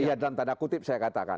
ya dalam tanda kutip saya katakan